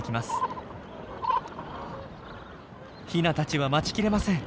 ヒナたちは待ちきれません。